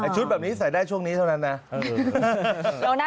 ชุดแบบนี้ใส่ได้ช่วงนี้เท่านั้นนะ